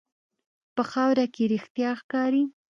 په خاوره کې رښتیا ښکاري.